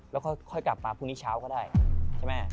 แล้วค่อยกลับมาพรุ่งนี้เช้าก็ได้ใช่ไหม